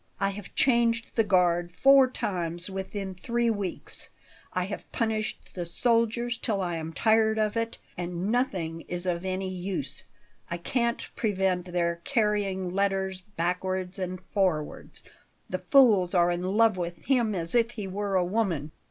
I have changed the guard four times within three weeks; I have punished the soldiers till I am tired of it, and nothing is of any use. I can't prevent their carrying letters backwards and forwards. The fools are in love with him as if he were a woman."